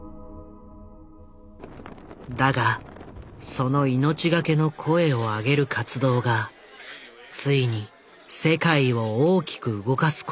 だがその命がけの声を上げる活動がついに世界を大きく動かすことに。